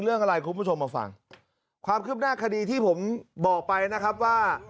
เรื่องอะไรคุณผู้ชมมาฟังความคืบหน้าคดีที่ผมบอกไปนะครับว่า